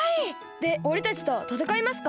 でおれたちとたたかいますか？